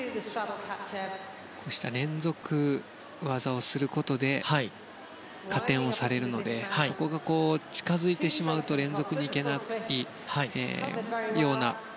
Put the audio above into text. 連続技をすることで加点をされるのでそこが近づいてしまうと連続で行けないような。